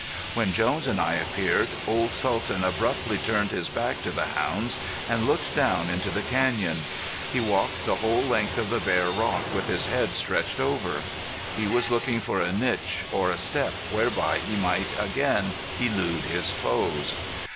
When Jones and I appeared, old Sultan abruptly turned his back to the hounds and looked down into the canyon. He walked the whole length of the bare rock with his head stretched over. He was looking for a niche or a step whereby he might again elude his foes.